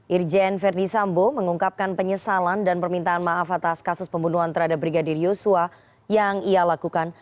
irjen verdi sambo mengungkapkan penyesalan dan permintaan maaf atas kasus pembunuhan terhadap brigadir yosua yang ia lakukan